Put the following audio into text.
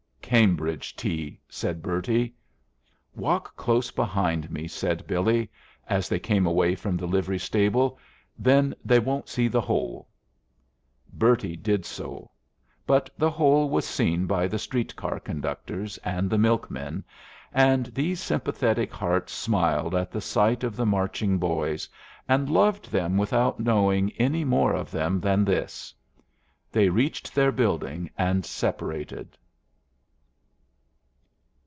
"Cambridge tea," said Bertie. "Walk close behind me," said Billy, as they came away from the livery stable. "Then they won't see the hole." Bertie did so; but the hole was seen by the street car conductors and the milkmen, and these sympathetic hearts smiled at the sight of the marching boys, and loved them without knowing any more of them than this. They reached their building and separated.